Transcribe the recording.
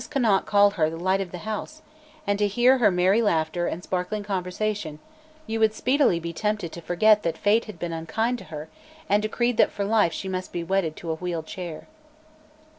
Conant called her "the light of the house," and to hear her merry laughter and sparkling conversation, you would speedily be tempted to forget that fate had been unkind to her and decreed that for life she must be wedded to a wheeled chair.